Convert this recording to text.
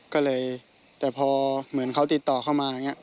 ก็เลยแต่พอเหมือนเขาติดต่อเข้ามาอย่างนี้